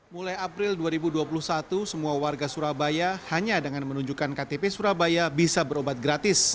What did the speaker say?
mulai april dua ribu dua puluh satu semua warga surabaya hanya dengan menunjukkan ktp surabaya bisa berobat gratis